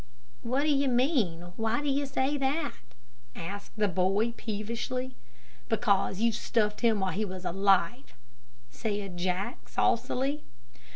"What do you mean? Why do you say that?" asked the boy, peevishly. "Because you stuffed him while he was alive," said Jack, saucily.